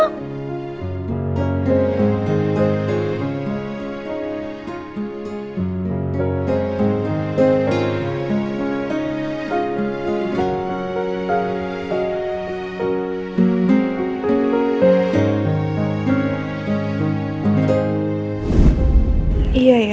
reki baik juga sih